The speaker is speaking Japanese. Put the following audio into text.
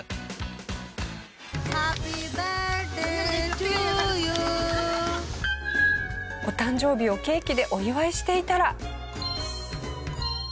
「ハッピーバースデイトゥユー」お誕生日をケーキでお祝いしていたら。